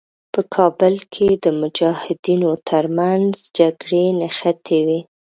په کابل کې د مجاهدینو تر منځ جګړې نښتې وې.